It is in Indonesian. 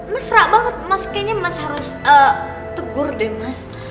mesra banget mas kayaknya mas harus tegur deh mas